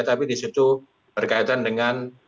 tapi disitu berkaitan dengan